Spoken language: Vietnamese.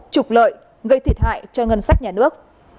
trục lợi gây thiệt hại cho ngân sách nhà nước